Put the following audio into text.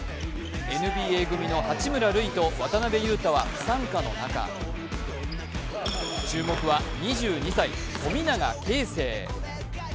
ＮＢＡ組の八村塁と渡邊雄太は不参加の中、注目は２２歳、富永啓生。